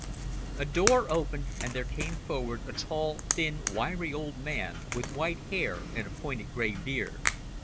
A door opened and there came forward a tall, thin, wiry old man with white hair and a pointed grey beard.